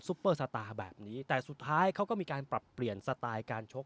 เปอร์สตาร์แบบนี้แต่สุดท้ายเขาก็มีการปรับเปลี่ยนสไตล์การชก